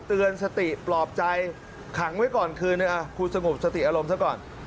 เตือนสติปลอบใจขังไว้ก่อนคืนนึงคุณสงบสติอารมณ์ซะก่อน